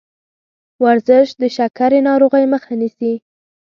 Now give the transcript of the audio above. ورزش د شکرې ناروغۍ مخه نیسي.